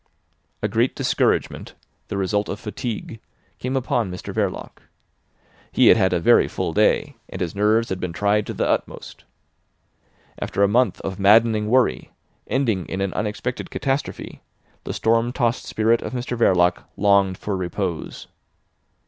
A great discouragement, the result of fatigue, came upon Mr Verloc. He had had a very full day, and his nerves had been tried to the utmost. After a month of maddening worry, ending in an unexpected catastrophe, the storm tossed spirit of Mr Verloc longed for repose.